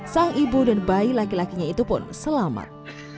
sang ibu dan bayi laki lakinya itu pun selamat